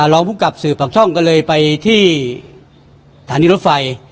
รองภูมิกับสื่อปากช่องก็เลยไปที่สถานีรถไฟ